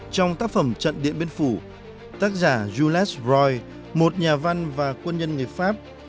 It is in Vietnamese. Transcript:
trong tác phẩm trận điện biên phủ tác giả julius roy một nhà văn và quân nhân người pháp